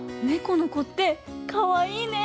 この子ってかわいいね！